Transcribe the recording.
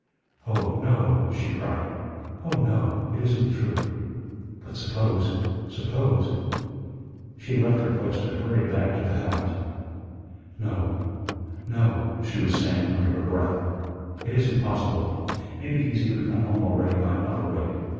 "Oh, no," she cried. "Oh, no. It isn't true. But suppose suppose." She left her post and hurried back to the house. "No, no," she was saying under her breath, "it isn't possible. Maybe he's even come home already by another way.